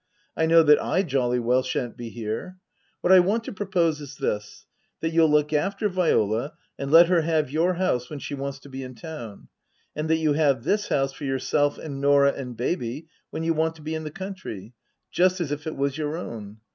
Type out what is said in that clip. I know that / jolly well shan't be here. What I want to propose is this : that you'll look after Viola and let her have your house when she wants to be in town ; and that you have this house for yourself and Norah and Baby when you want to be in the country just as if it was your own.